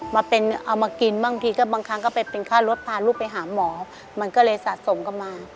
มาเป็นเอามากินบางทีก็บางครั้งก็ไปเป็นค่ารถพาลูกไปหาหมอมันก็เลยสะสมกลับมา